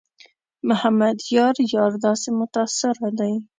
محمد یار یار داسې متاثره دی.